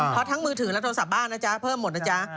เพราะทั้งมือถือและโทรศัพท์บ้านนะจ๊ะเพิ่มหมดนะจ๊ะ